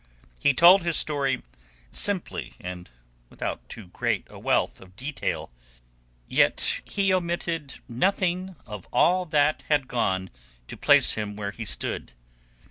He told his story simply and without too great a wealth of detail, yet he omitted nothing of all that had gone to place him where he stood.